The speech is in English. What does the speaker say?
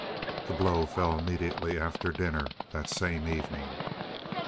The blow fell immediately after dinner that same evening.